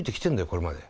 これまで。